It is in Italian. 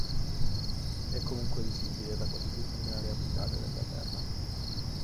È comunque visibile da quasi tutte le aree abitate della Terra.